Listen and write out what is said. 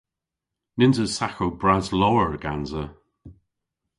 Nyns eus saghow bras lowr gansa.